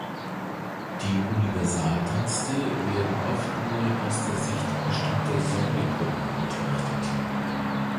Die Universaldienste werden oft nur aus der Sicht bestimmter Sondergruppen betrachtet.